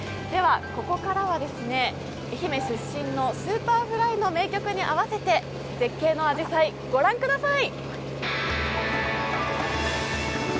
ここからは愛媛出身のＳｕｐｅｒｆｌｙの名曲に合わせて絶景のあじさい、御覧ください。